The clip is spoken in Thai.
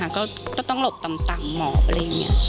ก็ต้องหลบต่ำหมอบอะไรอย่างนี้